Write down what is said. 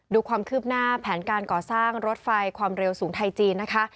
ดูความคืบหน้าแผนการก่อสร้างรถไฟความเร็วสูงไทยจีนนะคะ